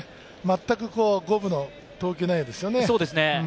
全く五分の投球内容ですよね。